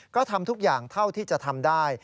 ก็ทำทุกอย่างเท่าที่จะทำได้